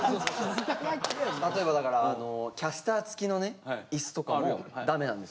例えばだからキャスター付きのね椅子とかもダメなんですよ。